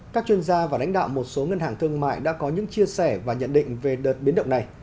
các chuyên gia và lãnh đạo một số ngân hàng thương mại đã có những chia sẻ và nhận định về đợt biến động này